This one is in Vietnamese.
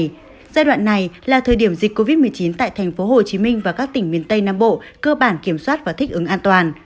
trong giai đoạn này là thời điểm dịch covid một mươi chín tại tp hcm và các tỉnh miền tây nam bộ cơ bản kiểm soát và thích ứng an toàn